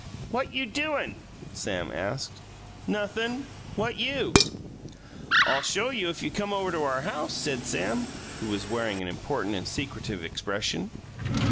"What you doin'?" Sam asked. "Nothin'. What you?" "I'll show you if you'll come over to our house," said Sam, who was wearing an important and secretive expression.